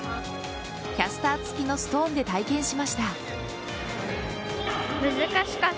キャスター付きのストーンで体験しました。